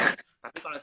tapi kalau sekonci udah